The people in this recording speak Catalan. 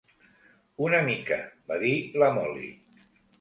"Una mica", va dir la Mollie.